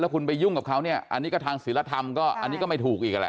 คุณไปยุ่งกับเขาเนี่ยอันนี้ก็ทางศิลธรรมก็อันนี้ก็ไม่ถูกอีกนั่นแหละ